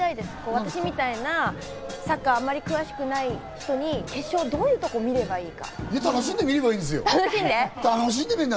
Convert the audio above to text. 私みたいなサッカーあまり詳しくない人に決勝のどういうところを見ればいいか。